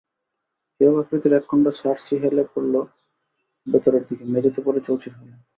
হীরক আকৃতির একখণ্ড শার্সি হেলে পড়ল ভেতরের দিকে, মেঝেতে পড়ে চৌচির হলো।